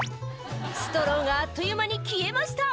「ストローがあっという間に消えました！」